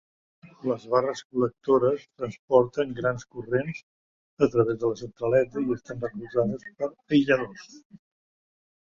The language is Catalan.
Les barres col·lectores transporten grans corrents a través de la centraleta i estan recolzades per aïlladors.